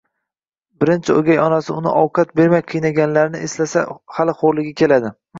Birinchi o`gay onasi uni ovqat bermay qiynaganlarini eslasa hali xo`rligi keladi